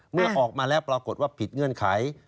เมื่อออกมาแล้วปรากฏว่าผิดเงื่อนไข